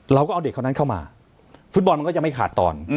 เราก็เอาเด็กคนนั้นเข้ามาฟุตบอลมันก็จะไม่ขาดตอน